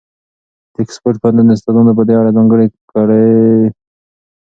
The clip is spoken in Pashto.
د اکسفورډ پوهنتون استادانو په دې اړه ځانګړې څېړنې کړي.